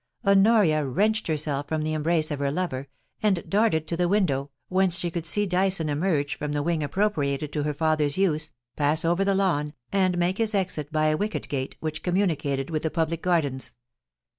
Honoria wrenched herself from the embrace of her lover, and darted to the window, whence she could see Dyson emerge from the wing appropriated to her father's use, pass over the lawn, and make his exit by a wicket gate which communicated with the public gardens.